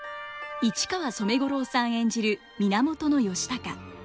市川染五郎さん演じる源義高。